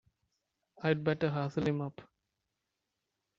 I'd better hustle him up!